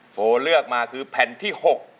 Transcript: โฟเลือกมาคือแผ่นที่๖